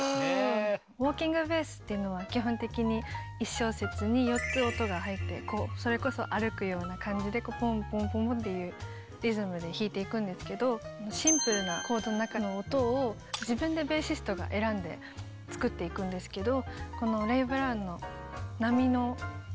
ウォーキングベースっていうのは基本的に１小節に４つ音が入ってそれこそ歩くような感じでぽんぽんぽんっていうリズムで弾いていくんですけどシンプルなコードの中の音を自分でベーシストが選んで作っていくんですけど。